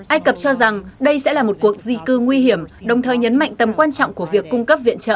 ai cập cho rằng đây sẽ là một cuộc di cư nguy hiểm đồng thời nhấn mạnh tầm quan trọng của việc cung cấp viện trợ